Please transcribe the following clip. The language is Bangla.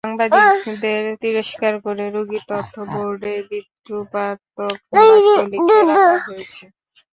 সাংবাদিকদের তিরস্কার করে রোগীর তথ্য বোর্ডে বিদ্রূপাত্মক বাক্য লিখে রাখা হয়েছে।